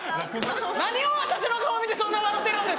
何を私の顔見てそんな笑うてるんですか？